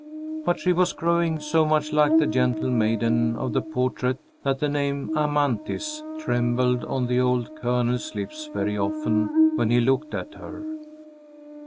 But she was growing so much like the gentle maiden of the portrait that the name "Amanthis" trembled on the old Colonel's lips very often when he looked at her.